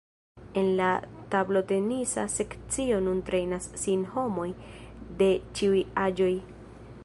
En la tablotenisa sekcio nun trejnas sin homoj de ĉiuj aĝoj.